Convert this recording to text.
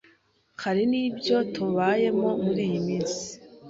Hari n’ibyo tubayemo muri iyi minsi